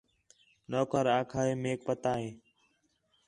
نوکر آکھا ہِے میک پتہ ہِے